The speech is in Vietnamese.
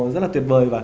rất là tuyệt vời